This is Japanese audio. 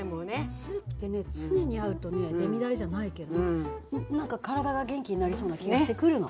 スープってね常にあるとねレミだれじゃないけれども何か体が元気になりそうな気がしてくるの。